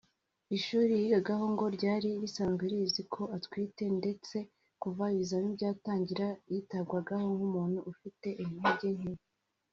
Ishuri yigagaho ngo ryari risanzwe rizi ko atwite ndetse kuva ibizamini byatangira yitabwagaho nk’umuntu ufite intege nke